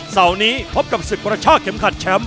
เสาร์นี้พบกับศึกประชาเข็มขัดแชมป์